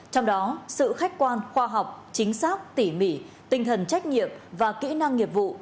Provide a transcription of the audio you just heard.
trong đó sự khách quan khoa học chính xác tỉ mỉ tinh thần trách nhiệm và kỹ năng nghiệp vụ